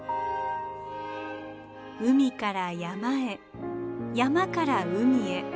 海から山へ山から海へ。